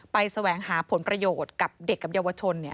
แสวงหาผลประโยชน์กับเด็กกับเยาวชน